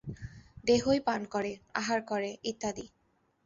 দেহই পান করে, আহার করে ইত্যাদি।